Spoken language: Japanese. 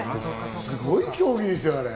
すごい競技ですよね、あれ。